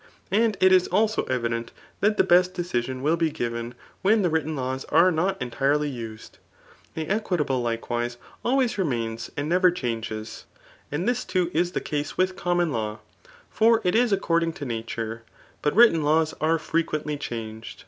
And it is also evident that the best decision will then be given, when the written hm tte not entirely used. The equitable, likewise, alwayn wfo^ms and never changes^ and this too is the 88 THE AAT OF BOOK I* case with common law ; for it is according to natura ; but written laws are frequently changed.